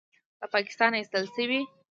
له پاکستانه ایستل شوی